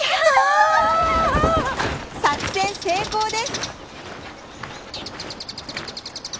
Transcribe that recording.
作戦成功です